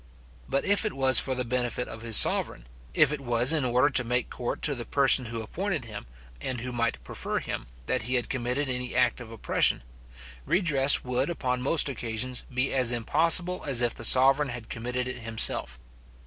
But if it was for the benefit of his sovereign; if it was in order to make court to the person who appointed him, and who might prefer him, that he had committed any act of oppression; redress would, upon most occasions, be as impossible as if the sovereign had committed it himself.